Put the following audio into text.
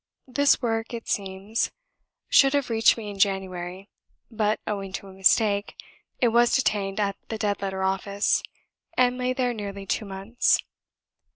This work, it seems, should have reached me in January; but owing to a mistake, it was detained at the Dead Letter Office, and lay there nearly two months.